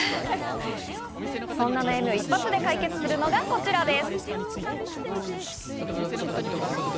そんな悩みを一発で解決するのがこちらです。